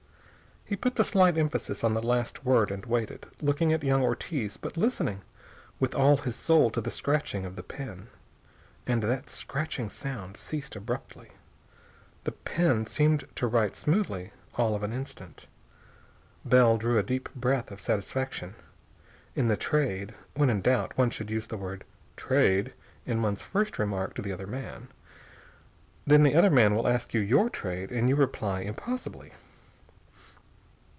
He put the slightest emphasis on the last word and waited, looking at young Ortiz, but listening with all his soul to the scratching of the pen. And that scratching sound ceased abruptly. The pen seemed to write smoothly all of an instant. Bell drew a deep breath of satisfaction. In the Trade, when in doubt, one should use the word "Trade" in one's first remark to the other man. Then the other man will ask your trade, and you reply impossibly.